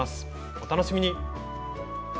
お楽しみに。